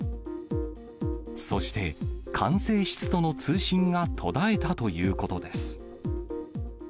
そして、管制室との通信が途絶えたということです。